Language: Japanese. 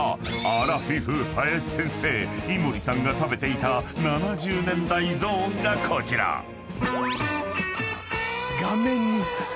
［アラフィフ林先生井森さんが食べていた７０年代ゾーンがこちら］がめ煮！